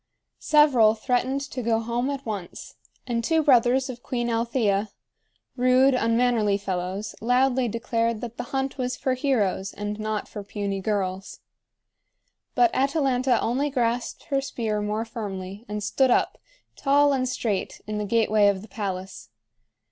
Several threatened to go home at once; and two brothers of Queen Althea, rude, unmannerly fellows, loudly declared that the hunt was for heroes and not for puny girls. But Atalanta only grasped her spear more firmly and stood up, tall and straight, in the gateway of the palace.